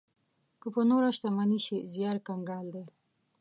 که په نوره شتمني شي زيار کنګال دی.